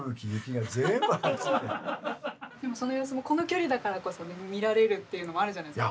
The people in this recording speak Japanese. その様子もこの距離だからこそ見られるっていうのもあるじゃないですか。